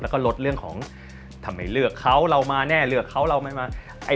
แล้วก็ลดเรื่องของทำไมเลือกเขาเรามาแน่เลือกเขาเราไม่มา